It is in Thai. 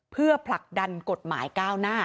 เพื่อผลักดันกฎหมายก้าวหน้า